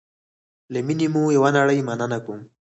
له میني مو یوه نړی مننه کوم